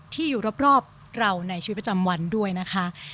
ที่ประจำวันด้วยนะคะ